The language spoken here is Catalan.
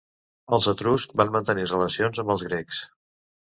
Els etruscs van mantenir relacions amb els grecs.